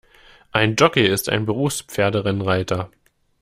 Ein Jockey ist ein Berufs-Pferderennreiter.